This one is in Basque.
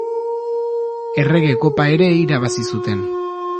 Errege Kopa ere irabazi zuten.